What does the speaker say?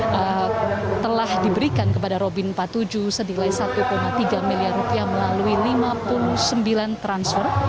yang telah diberikan kepada robin empat puluh tujuh sedilai satu tiga miliar rupiah melalui lima puluh sembilan transfer